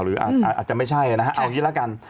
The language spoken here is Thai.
หรืออาจจะไม่ใช่เอาอย่างนี้แล้วกัน